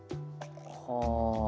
はあ。